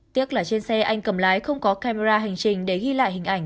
tiếc là trên xe anh cầm lái không có camera hành trình để ghi lại hình ảnh